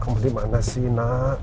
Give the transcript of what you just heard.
kamu dimana sih nak